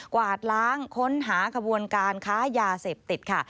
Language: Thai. วาดล้างค้นหาขบวนการค้ายาเสพติดค่ะ